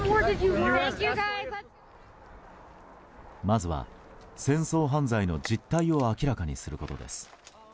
まずは戦争犯罪の実態を明らかにすることです。